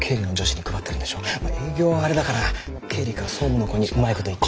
まあ営業はあれだから経理か総務の子にうまいこと言って１つ。